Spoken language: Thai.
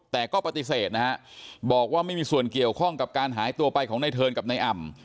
แต่ก็ปฏิเสธนะฮะบอกว่าไม่มีส่วนเกี่ยวข้องกับการหายตัวไปของในเทิร์นกับนายอำ